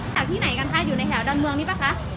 ที่ไหนกันคะอยู่ในแถวดอนเมืองนี้ป่ะคะ